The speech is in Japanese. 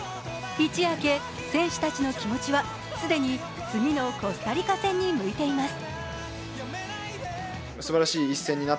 一夜明け、選手たちの気持ちは既に次のコスタリカ戦に向いています。